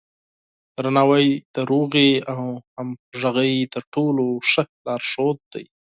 درناوی د سولې او همغږۍ تر ټولو مهم لارښود دی.